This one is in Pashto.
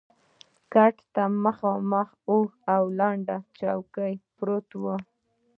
کټ ته مخامخ اوږده او لنډه څوکۍ پرته وه.